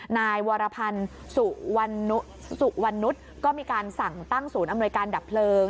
นายวรพันธ์สุวรรณสุวรรณุษย์ก็มีการสั่งตั้งศูนย์อำนวยการดับเพลิง